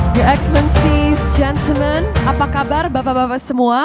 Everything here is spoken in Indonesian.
pemirsa apa kabar bapak bapak semua